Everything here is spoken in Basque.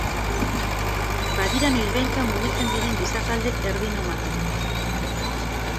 Badira noizbehinka mugitzen diren gizatalde erdi-nomadak.